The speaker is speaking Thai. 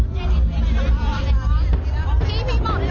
ร้อนสงสัยยังลู่กลับไป